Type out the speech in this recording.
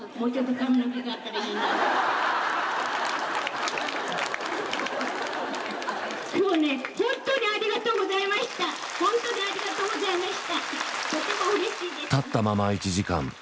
立ったまま１時間。